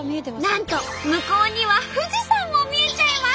なんと向こうには富士山も見えちゃいます！